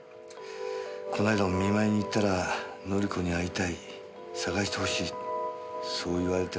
この間お見舞いに行ったら紀子に会いたい捜してほしいそう言われてな。